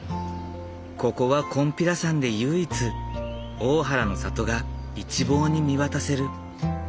ここは金毘羅山で唯一大原の里が一望に見渡せる。